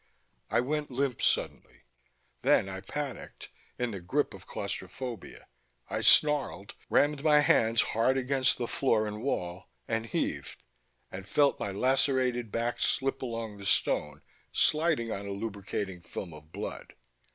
I went limp suddenly. Then I panicked, in the grip of claustrophobia. I snarled, rammed my hands hard against the floor and wall, and heaved and felt my lacerated back slip along the stone, sliding on a lubricating film of blood.